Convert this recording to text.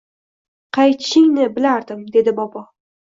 Qaytishingni bilardim, – dedi bobo.